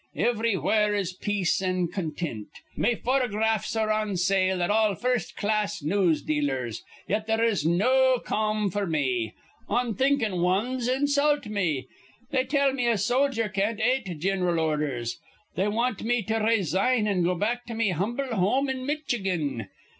Ivrywhere is peace an' contint. Me photographs are on sale at all first class newsdealers. Yet there is no ca'm f'r me. Onthinkin' wans insult me. They tell me a sojer can't ate gin'ral ordhers. They want me to raysign an' go back to me humble home in Mitchigan.